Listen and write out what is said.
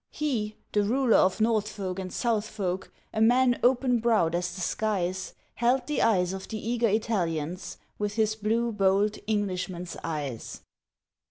He, the ruler of North folk and South folk, a man open browed as the skies, Held the eyes of the eager Italians with his blue, bold, Englishman's eyes.